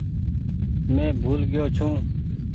مين بهول گئيو ڇو۔